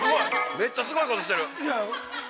◆めっちゃすごいことしてる。